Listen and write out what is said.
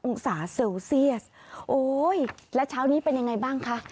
องศาเซลเซียสโอ้ยแล้วเช้านี้เป็นยังไงบ้างคะ